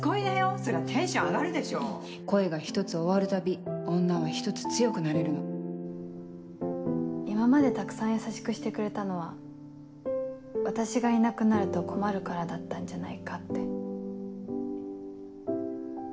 そりゃテンション上がるで恋が１つ終わるたび女は１つ強くなれるの今までたくさん優しくしてくれたのは私がいなくなると困るからだったんじゃないかって。